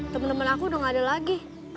teman teman aku udah enggak ada lagi